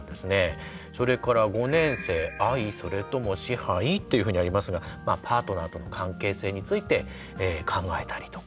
それから５年生「愛？それとも支配？」っていうふうにありますがパートナーとの関係性について考えたりとか。